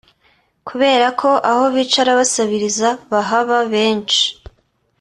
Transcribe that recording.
Kubera ko aho bicara basabiriza bahaba benshi